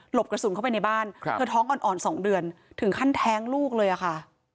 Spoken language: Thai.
บกระสุนเข้าไปในบ้านเธอท้องอ่อน๒เดือนถึงขั้นแท้งลูกเลยอะค่ะ